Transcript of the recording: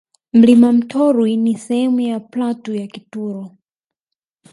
Mlima Mtorwi ni sehemu ya platu ya Kitulo